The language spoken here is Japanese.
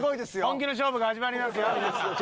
本気の勝負が始まりますよ。